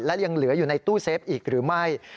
และยังเหลืออยู่ในตู้เซฟอีกหรือไม่